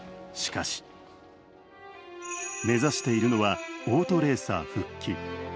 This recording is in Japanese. しかし、目指しているのはオートレーサー復帰。